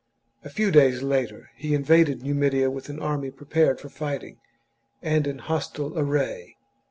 A few days later he invaded Numidia with an army prepared for fighting, and in hostile array.